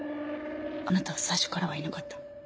あなたは最初からはいなかった。